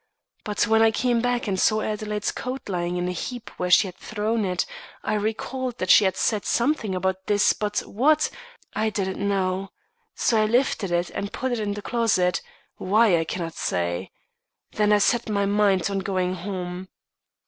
But when I came back and saw Adelaide's coat lying in a heap where she had thrown it, I recalled that she had said something about this but what, I didn't know. So I lifted it and put it in the closet why, I cannot say. Then I set my mind on going home.